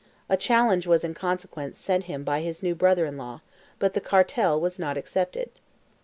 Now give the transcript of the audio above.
A challenge was in consequence sent him by his new brother in law, but the cartel was not accepted.